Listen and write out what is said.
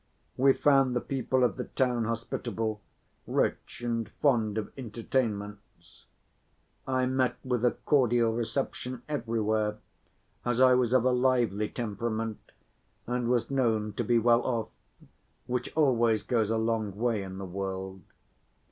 We found the people of the town hospitable, rich and fond of entertainments. I met with a cordial reception everywhere, as I was of a lively temperament and was known to be well off, which always goes a long way in the world.